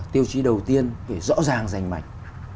tiêu chí đầu tiên phải rõ ràng giành mạch